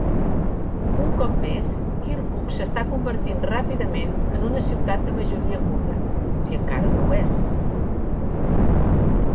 Un cop més, Kirkuk s'està convertint ràpidament en una ciutat de majoria kurda, si encara no ho és.